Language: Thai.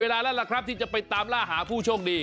เวลาแล้วล่ะครับที่จะไปตามล่าหาผู้โชคดี